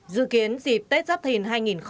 dự kiến dịp tết giáp thìn hai nghìn hai mươi bốn